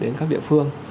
đến các địa phương